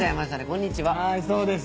はいそうです。